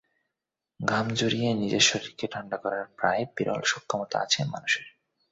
ঘাম ঝরিয়ে নিজের শরীরকে ঠান্ডা করার প্রায় বিরল সক্ষমতা আছে মানুষের।